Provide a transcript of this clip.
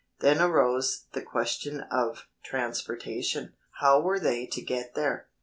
Then arose the question of transportation. How were they to get there?